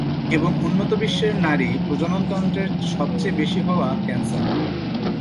এবং উন্নত বিশ্বের নারী প্রজনন তন্ত্রের সবচেয়ে বেশি হওয়া ক্যান্সার।